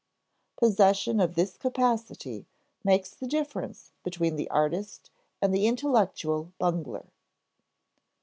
Possession of this capacity makes the difference between the artist and the intellectual bungler.